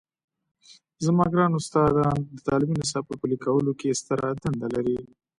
زموږ ګران استادان د تعلیمي نصاب په پلي کولو کې ستره دنده لري.